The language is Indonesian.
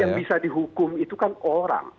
yang bisa dihukum itu kan orang